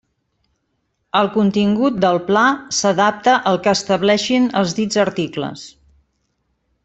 El contingut del Pla s'adapta al que establixen els dits articles.